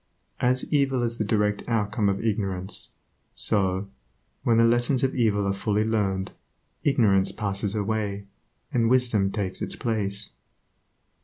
As evil is the direct outcome of ignorance, so, when the lessons of evil are fully learned, ignorance passes away, and wisdom takes its place.